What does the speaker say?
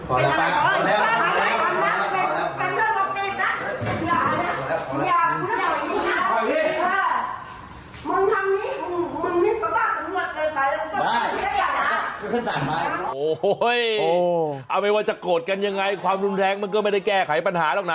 โอ้โหเอาไม่ว่าจะโกรธกันยังไงความรุนแรงมันก็ไม่ได้แก้ไขปัญหาหรอกนะ